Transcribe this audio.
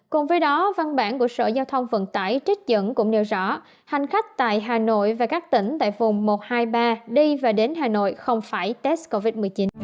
cùng với đó văn bản của sở giao thông vận tải trích dẫn cũng nêu rõ hành khách tại hà nội và các tỉnh tại vùng một trăm hai mươi ba đi và đến hà nội không phải test covid một mươi chín